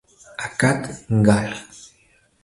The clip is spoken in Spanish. Acad, Gall.